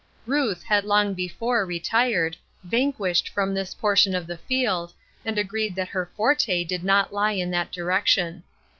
Kuth had long before retired, vanquished from ibis portion of the field, and agreed that her forte did not lie in that direction.